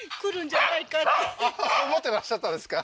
あっ思ってらっしゃったんですか？